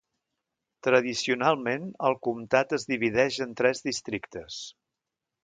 Tradicionalment, el comtat es divideix en tres districtes.